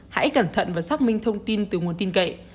hãy cẩn thận và xác minh thông tin từ nguồn tin cậy